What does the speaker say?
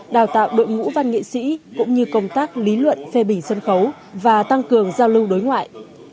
đào tạo đội ngũ văn nghệ sĩ cũng như công tác lý luận phê bình sân khấu và tăng cường giao lưu đối ngoại